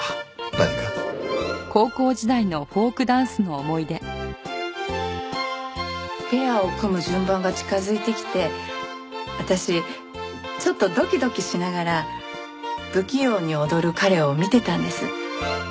『藁の中の七面鳥』ペアを組む順番が近づいてきて私ちょっとドキドキしながら不器用に踊る彼を見てたんです。